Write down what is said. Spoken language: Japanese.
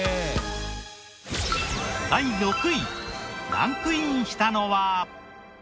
第６位ランクインしたのは。